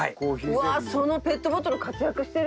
うわっそのペットボトル活躍してるね。